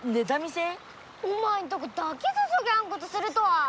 お前んとこだけぞそぎゃんことするとは。